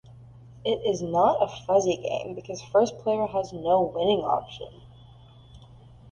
It is not a fuzzy game because first player has no winning option.